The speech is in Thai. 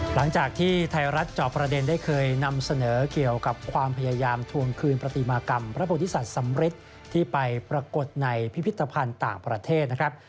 หลังจากที่ไทยรัฐจอบประเด็นได้เคยนำเสนอเกี่ยวกับความพยายามทวงคืนปฏิมากรรมพระพุทธศัตว์สำริทที่ไปปรากฏในพิพิธภัณฑ์ต่างประเทศนะครับ